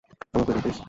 আমার প্রয়োজন, প্লিজ।